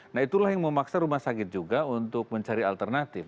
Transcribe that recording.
nah itulah yang memaksa rumah sakit juga untuk mencari alternatif